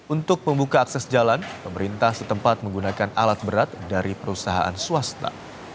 untuk membuka akses jalan pemerintah setempat menggunakan alat berat dari perusahaan swasta